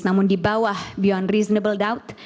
namun di bawah beyond reasonable dout